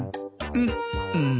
うっうん。